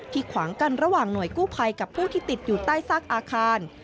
ขวางกันระหว่างหน่วยกู้ภัยกับผู้ที่ติดอยู่ใต้ซากอาคาร